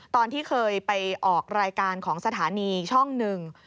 ตอนที่เคยไปออกรายการของสถานีช่องหนึ่ง